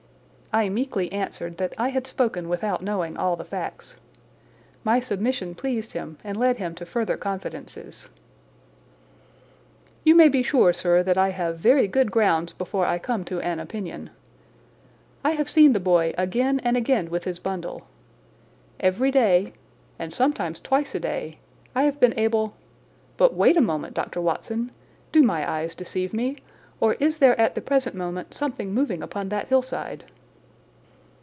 I meekly answered that I had spoken without knowing all the facts. My submission pleased him and led him to further confidences. "You may be sure, sir, that I have very good grounds before I come to an opinion. I have seen the boy again and again with his bundle. Every day, and sometimes twice a day, I have been able—but wait a moment, Dr. Watson. Do my eyes deceive me, or is there at the present moment something moving upon that hillside?"